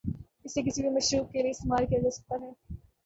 اسے کسی بھی مشروب کے لئے استعمال کیا جاسکتا ہے ۔